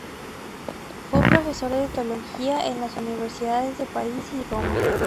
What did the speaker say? Fue profesor de teología en las universidades de París y Roma.